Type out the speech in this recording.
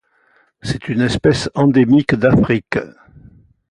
C'est une espèce endémique d'Afrique.